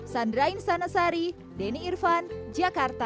sandrain sanasari denny irvan jakarta